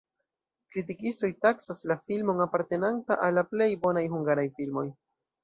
Kritikistoj taksas la filmon apartenanta al la plej bonaj hungaraj filmoj.